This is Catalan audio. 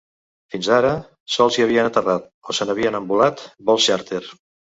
Fins ara, sols hi havien aterrat o se n’havien envolat vols xàrter.